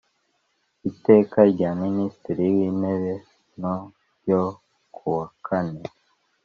Iteka rya Minisitiri w Intebe no ryo ku wa kane